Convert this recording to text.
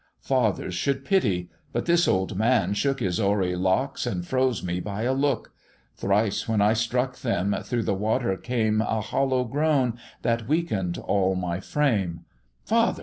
"Fathers should pity but this old man shook His hoary locks, and froze me by a look: Thrice when I struck them, through the water came A hollow groan, that weaken'd all my frame: 'Father!'